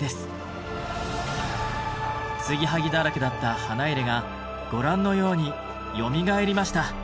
継ぎはぎだらけだった花入がご覧のようによみがえりました。